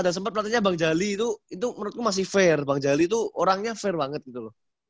ada sempat pelatihnya bang jali itu itu menurutku masih fair bang jali itu orangnya fair banget gitu loh